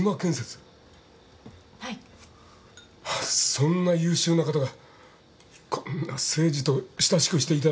そんな優秀な方がこんな誠治と親しくしていただいて。